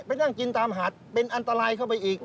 นั่งกินตามหาดเป็นอันตรายเข้าไปอีก